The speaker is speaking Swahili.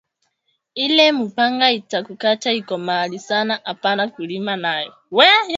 Ile mupanga ita kukata iko makali sana apana kulima nayo